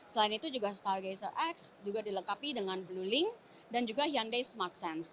selain itu juga stargazer x juga dilengkapi dengan blue link dan juga hyunday smart sense